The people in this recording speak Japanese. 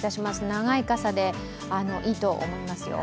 長い傘で、いいと思いますよ。